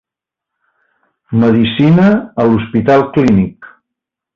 Medicina a l'Hospital Clínic.